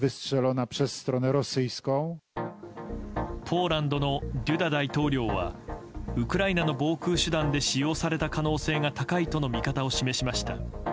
ポーランドのドゥダ大統領はウクライナの防空手段で使用された可能性が高いとの見方を示しました。